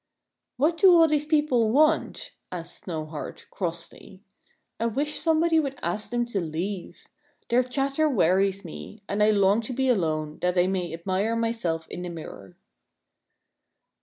" What do all these people want ?" asked Snowheart, crossly. " I wish somebody would ask them to leave. Their chatter wearies me ; and I long to be alone, that I may admire myself in the mirror."